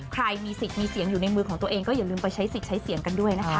ใครมีสิทธิ์มีเสียงอยู่ในมือของตัวเองก็อย่าลืมไปใช้สิทธิ์ใช้เสียงกันด้วยนะคะ